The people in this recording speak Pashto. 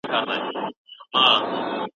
هم یې ځای زړه د اولس وي هم الله لره منظور سي